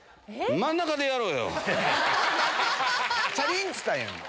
真ん中でやろう。